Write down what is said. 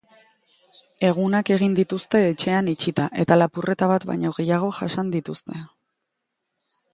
Egunak egin dituzte etxean itxita, eta lapurreta bat baino gehiago jasan dituzte.